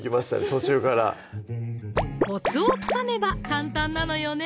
途中からコツをつかめば簡単なのよね